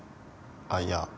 あっいや